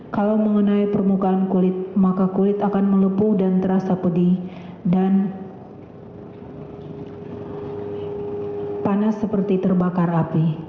kalau mengenai permukaan kulit maka kulit akan melepuh dan terasa pedih dan panas seperti terbakar api